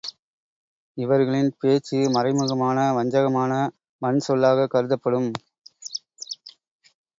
இவர்களின் பேச்சு மறைமுகமான வஞ்சகமான வன்சொல்லாகக் கருதப்படும்.